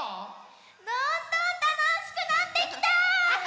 どんどんたのしくなってきた！